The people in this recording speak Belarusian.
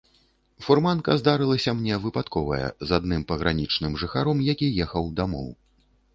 Фурманка здарылася мне выпадковая з адным пагранічным жыхаром, які ехаў дамоў.